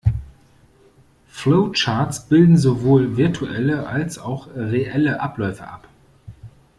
Flowcharts bilden sowohl virtuelle, als auch reelle Abläufe ab.